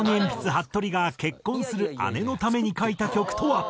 はっとりが結婚する姉のために書いた曲とは？